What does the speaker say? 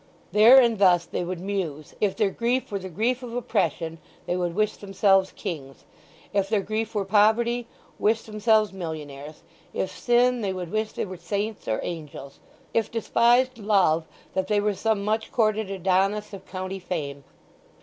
There and thus they would muse; if their grief were the grief of oppression they would wish themselves kings; if their grief were poverty, wish themselves millionaires; if sin, they would wish they were saints or angels; if despised love, that they were some much courted Adonis of county fame.